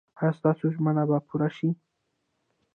ایا ستاسو ژمنه به پوره شي؟